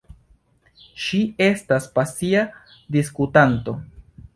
Ŝi estas pasia diskutanto.